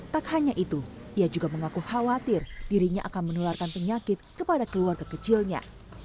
tak hanya itu ia juga mengaku khawatir dirinya akan menularkan penyakit kepada keluarga kecilnya